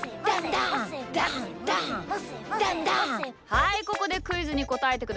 はいここでクイズにこたえてください。